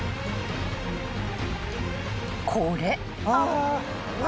［これ］